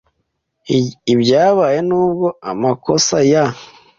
Ibyabaye ntabwo amakosa ya .